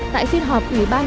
tại phiên họp